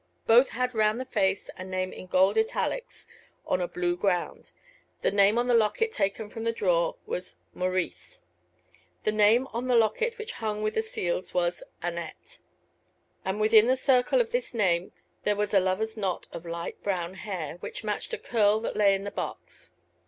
Both had round the face a name in gold italics on a blue ground: the name on the locket taken from the drawer was Maurice; the name on the locket which hung with the seals was Annette, and within the circle of this name there was a lover's knot of light brown hair, which matched a curl that lay in the box.